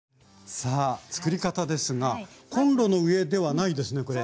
さあ作り方ですがコンロの上ではないですねこれ。